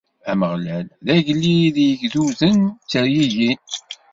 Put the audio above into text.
Ameɣlal, d agellid, igduden ttergigin.